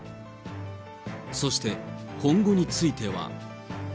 そして、今後については。